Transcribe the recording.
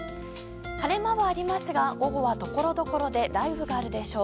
晴れ間はありますが午後は、ところどころで雷雨があるでしょう。